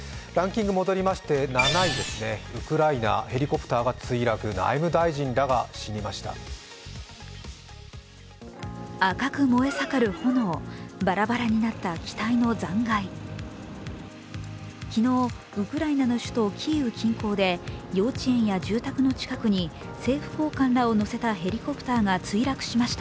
ランキング戻りまして７位、ウクライナ、ヘリコプターが墜落、内務大臣らが亡くなりました。